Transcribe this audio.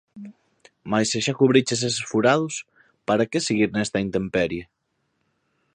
Mais se xa cubriches eses furados, para que seguir nesta intemperie?